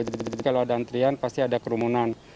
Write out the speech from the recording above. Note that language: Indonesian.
jadi kalau ada antrian pasti ada kerumunan